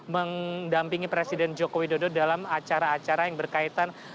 mendampingi presiden joko widodo dalam acara acara yang berkaitan